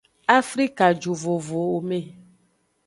Afrikajuvovowome.